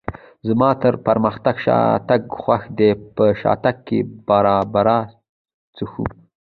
زما تر پرمختګ شاتګ خوښ دی، په شاتګ کې باربرا څښو.